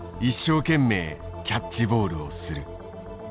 「一生けんめいキャッチボールをする」。